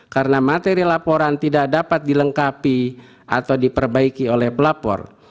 karena material laporan tidak dapat dilengkapi atau diperbaiki oleh pelapor